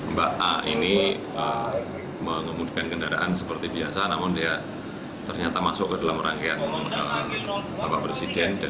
mbak a ini mengemudikan kendaraan seperti biasa namun dia ternyata masuk ke dalam rangkaian bapak presiden